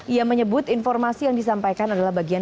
ia menyebut informasi yang disampaikan adalah bagian